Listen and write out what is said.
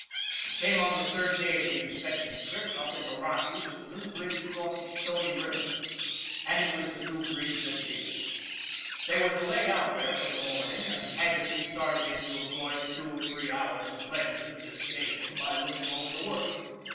It came on the third day of the inspection trip, up in the Rockies at the new bridge across the Stony River and it was the new bridge that did it. They were to lay out there for the morning, and Haggerty started in to employ the two or three hours of leisure this gave him by looking over the work.